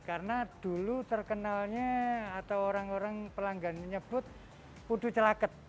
karena dulu terkenalnya atau orang orang pelanggan menyebut putu celaket